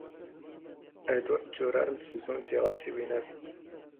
ⴰⴷ ⵓⵔ ⵜⵜⵓⵔⴰⵔⵎⵜ ⵙ ⵣⵓⵏ ⴷ ⵜⵉⵖⴰⵡⵙⵉⵡⵉⵏ ⴰⴷ.